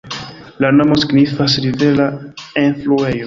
La nomo signifas "Rivera enfluejo".